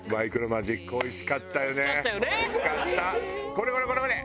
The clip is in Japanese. これこれこれこれ！